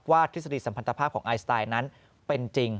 ทฤษฎีสัมพันธภาพของไอสไตล์นั้นเป็นจริง